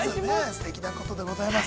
すてきなことでございます。